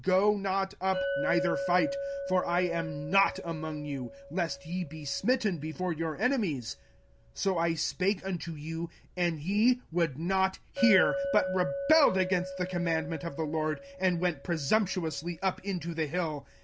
Go not up, neither fight; for I am not among you; lest ye be smitten before your enemies. 05:001:043 So I spake unto you; and ye would not hear, but rebelled against the commandment of the LORD, and went presumptuously up into the hill.